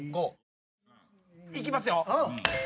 いきますよ。